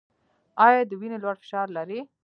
ایا د وینې لوړ فشار لرئ؟